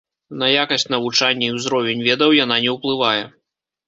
На якасць навучання і ўзровень ведаў яна не ўплывае.